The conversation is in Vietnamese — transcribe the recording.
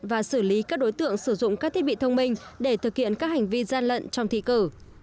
và xử lý các đối tượng sử dụng các thiết bị thông minh để thực hiện các hành vi gian lận trong thi cử